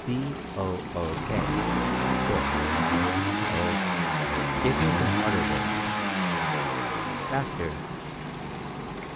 "B o o k book. Oh, give me some harder words." "Laughter."